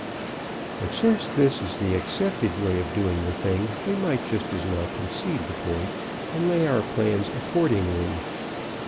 But since this is the accepted way of doing the thing, we might just as well concede the point and lay our plans accordingly.